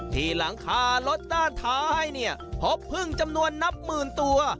ที่หลังคารถด้านท้ายเนี่ยพบพึ่งจำนวนนับหมื่นตัว